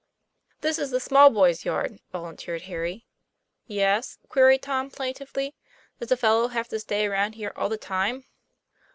"This is the small boys' yard," volunteered Harry. "Yes?" queried Tom plaintively. "Does a fellow have to stay around here all the time?"